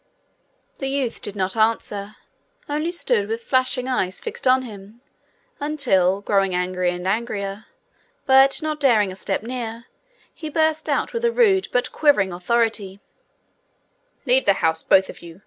The youth did not answer, only stood with flashing eyes fixed on him, until, growing angrier and angrier, but not daring a step nearer, he burst out with a rude but quavering authority: 'Leave the house, both of you!